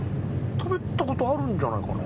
食べたコトあるんじゃないかな？